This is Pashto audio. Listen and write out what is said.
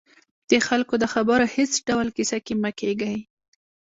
د خلکو د خبرو هېڅ ډول کیسه کې مه کېږئ